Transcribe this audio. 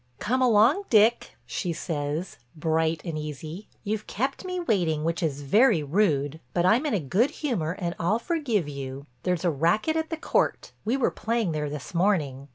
"Come along, Dick," she says, bright and easy, "you've kept me waiting which is very rude, but I'm in a good humor and I'll forgive you. There's a racket at the court—we were playing there this morning.